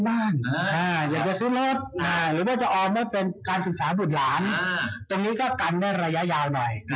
อันนี้ก็เป็นโรงการนำแฟคออกเพื่อการเกษียณ